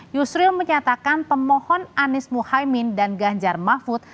yusril menyatakan pemohon anies muhaymin dan ganjar mahfud